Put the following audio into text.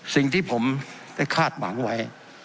สิ่งที่ผมได้คาดหวังไว้